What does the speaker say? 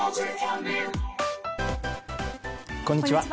こんにちは。